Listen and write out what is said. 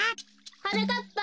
・はなかっぱ